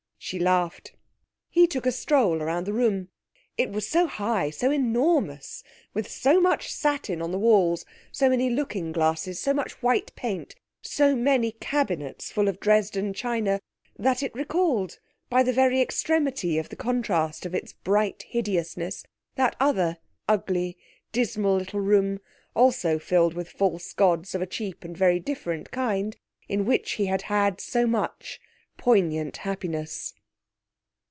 She laughed. He took a stroll round the room. It was so high, so enormous, with so much satin on the walls, so many looking glasses, so much white paint, so many cabinets full of Dresden china, that it recalled, by the very extremity of the contrast of its bright hideousness, that other ugly, dismal little room, also filled with false gods, of a cheap and very different kind, in which he had had so much poignant happiness.